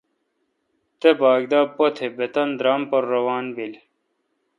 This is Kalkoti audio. تے باگ دا بہ پتھ بہ تانی درام پر روان بیل